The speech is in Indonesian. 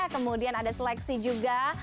kemudian ada seleksi juga